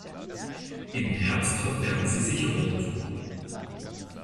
Im Herbst verfärben sie sich rot.